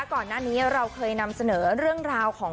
ก่อนหน้านี้เราเคยนำเสนอเรื่องราวของ